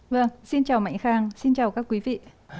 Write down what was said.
vâng xin chào mạnh khang xin chào các quý vị